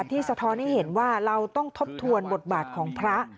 สะท้อนให้เห็นว่าเราต้องทบทวนบทบาทของพระ